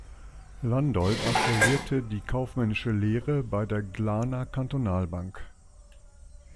Landolt absolvierte die kaufmännische Lehre bei der Glarner Kantonalbank.